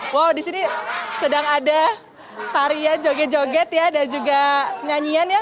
wow di sini sedang ada varian joget joget ya dan juga nyanyian ya